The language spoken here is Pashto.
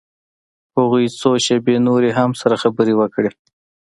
هغوى څو شېبې نورې هم سره خبرې وکړې.